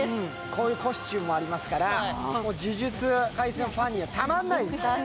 こういうコスチュームもありますから、「呪術廻戦」ファンにはたまらないです。